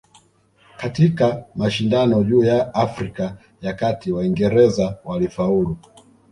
Katika mashindano juu ya Afrika ya Kati Waingereza walifaulu